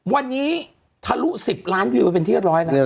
วันนี้ทะลุ๑๐ล้านวิวเป็นที่เรียบร้อยแล้ว